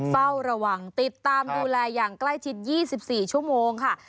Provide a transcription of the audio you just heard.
เฝ้าระวังติดตามดูแลอย่างใกล้ชิด๒๔ชั่วโมงค่ะ